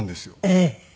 ええ。